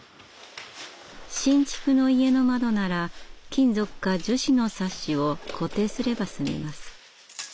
新築の家の窓なら金属か樹脂のサッシを固定すれば済みます。